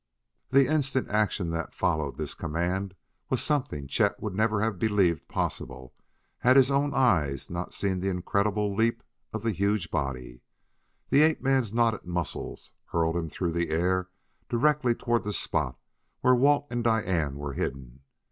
The instant action that followed this command was something Chet would never have believed possible had his own eyes not seen the incredible leap of the huge body. The ape man's knotted muscles hurled him through the air directly toward the spot where Walt and Diane were hidden.